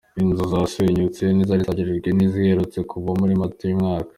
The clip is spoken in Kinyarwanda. Inzu zasenyutse, ni izari zarajegejwe n’uherutse kuba muri Mata uyu mwaka.